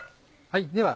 では